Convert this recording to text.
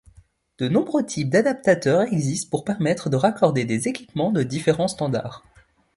De nombreux types d'adaptateurs existent pour permettre de raccorder des équipements de différents standards.